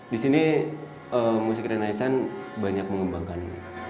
di sini musik renaissan banyak mengembangkan